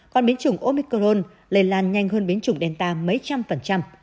còn biến chủng omicron lây lan nhanh hơn biến chủng delta mấy trăm phần trăm